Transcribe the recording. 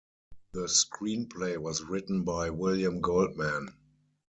The screenplay was written by William Goldman.